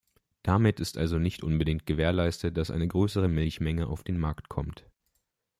Damit ist also nicht unbedingt gewährleistet, dass eine größere Milchmenge auf den Markt kommt.